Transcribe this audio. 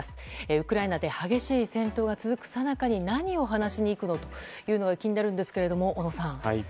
ウクライナで激しい戦闘が続くさなかに何を話しに行くのかというのが気になるんですが小野さん。